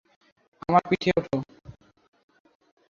আমার পিঠে ওঠো।